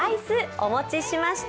お持ちしました